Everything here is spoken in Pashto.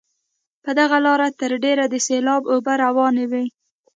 په دغه لاره تر ډېره د سیلاب اوبه روانې وي.